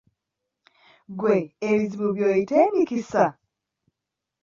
Gwe ebizibu by'oyita emikisa?